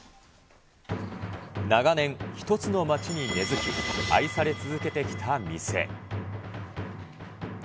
長年、１つの街に根づき、愛され続けてきた店。